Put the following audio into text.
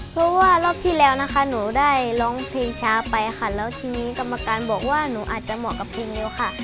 เพราะว่ารอบที่แล้วนะคะหนูได้ร้องเพลงช้าไปค่ะแล้วทีนี้กรรมการบอกว่าหนูอาจจะเหมาะกับเพลงเร็วค่ะ